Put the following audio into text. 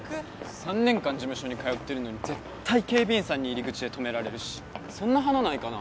３年間事務所に通ってるのに絶対警備員さんに入り口で止められるしそんな華ないかな？